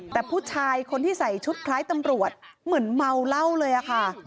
แต่ผู้ชายคนที่ใส่ชุดคล้ายตำรวจเหมือนเมาเหล้าเลยค่ะ